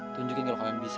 tunjukin kalau kalian bisa